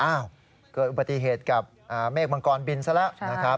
อ้าวเกิดอุบัติเหตุกับเมฆมังกรบินซะแล้ว